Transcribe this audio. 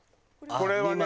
これはね